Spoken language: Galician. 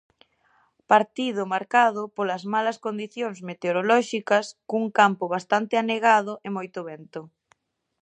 Partido marcado polas malas condicións meteorolóxicas, cun campo bastante anegado e moito vento.